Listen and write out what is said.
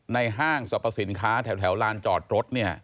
ในห้างสรรพสินค้าแถวลานจอดรถ